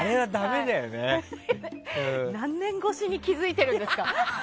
何年越しに気づくんですか。